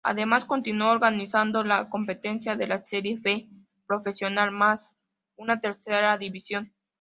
Además continuó organizando la competencia de la Serie B Profesional más una Tercera División.